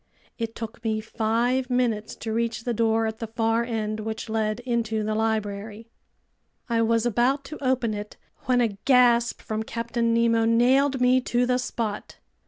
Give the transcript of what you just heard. It took me five minutes to reach the door at the far end, which led into the library. I was about to open it when a gasp from Captain Nemo nailed me to the spot.